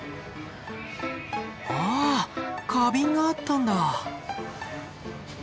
あ花瓶があったんだ。